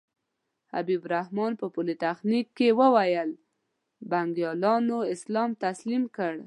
حبیب الرحمن په پولتخنیک کې وویل بنګالیانو اسلام تقسیم کړ.